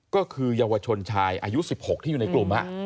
ก็คือเยาวชนชายอายุ๑๖ที่อยู่ในกลุ่ม